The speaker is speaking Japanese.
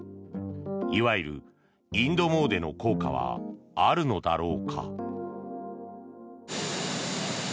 いわゆるインド詣での効果はあるのだろうか。